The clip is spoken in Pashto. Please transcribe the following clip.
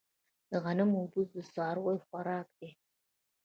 د غنمو بوس د څارویو خوراک دی.